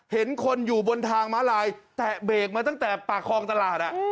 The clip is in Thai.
เห็นคนอยู่บนทางม้าลายแตะเบรกมาตั้งแต่ปากคลองตลาด